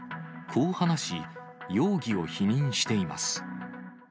こう話し、容疑を否認しています。